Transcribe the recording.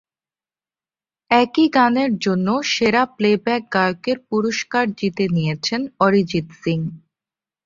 একই গানের জন্য সেরা প্লেব্যাক গায়কের পুরস্কার জিতে নিয়েছেন অরিজিত্ সিং।